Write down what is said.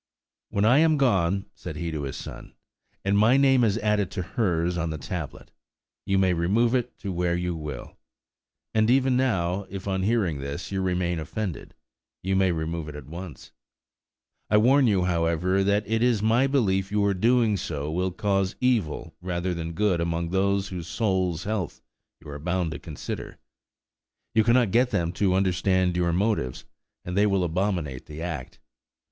"When I am gone," said he to his son, "and my name is added to hers on the tablet, you may remove it to where you will; and even now, if, on hearing this, you remain offended, you may remove it at once. I warn you, however, that it is my belief your doing so will cause evil rather than good among those whose souls' health you are bound to consider. You cannot get them to understand your motives, and they will abominate the act.